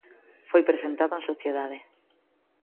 Foi presentado en sociedade.